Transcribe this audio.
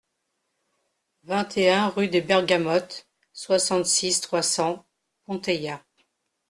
vingt et un rue des Bergamotes, soixante-six, trois cents, Ponteilla